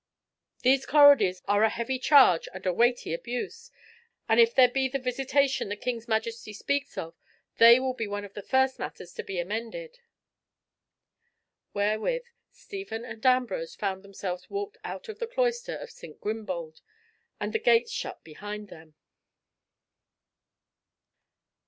These corrodies are a heavy charge and a weighty abuse, and if there be the visitation the king's majesty speaks of, they will be one of the first matters to be amended." Wherewith Stephen and Ambrose found themselves walked out of the cloister of St. Grimbald, and the gates shut behind them.